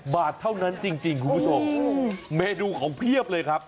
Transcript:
๑๐บาทเท่านั้นจริงคุณพุทธโมมีเมดูของเพียบเลยครับ